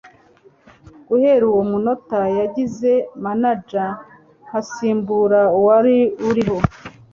guhera uwo munota yangize manager nkasimbura uwari uriho